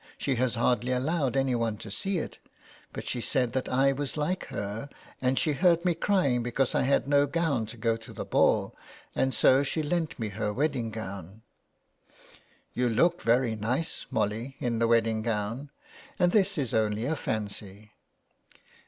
She has hardly allowed anyone to see it ; but she said that I was like her, and she heard me crying because I had no gown to go to the ball, and so she lent me her wedding gown." You look very nice, Molly, in the wedding gown, and this is only a fancy."